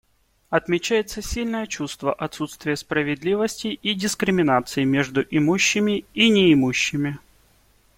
Отмечается сильное чувство отсутствия справедливости и дискриминации между имущими и неимущими.